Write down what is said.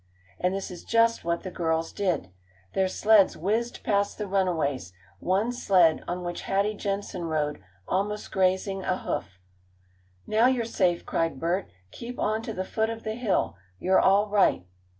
And this is just what the girls did. Their sleds whizzed past the runaways, one sled, on which Hattie Jenson rode, almost grazing a hoof. "Now you're safe!" cried Bert. "Keep on to the foot of the hill! You're all right!"